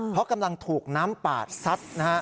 เพราะกำลังถูกน้ำปาดซัดนะฮะ